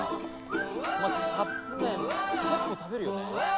まあカップ麺結構食べるよね？